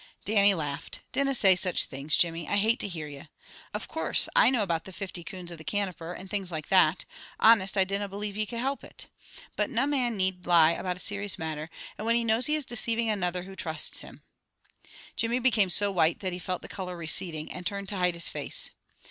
Dannie laughed. "Dinna say such things, Jimmy. I hate to hear ye. Of course, I know about the fifty coons of the Canoper, and things like that; honest, I dinna believe ye can help it. But na man need lie about a serious matter, and when he knows he is deceiving another who trusts him." Jimmy became so white that he felt the color receding, and turned to hide his face.